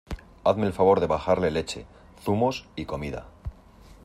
hazme el favor de bajarle leche, zumos y comida